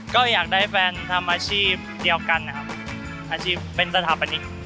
ก็อยากได้แฟนทำอาชีพเดียวกันนะครับอาชีพเป็นสถาปนิก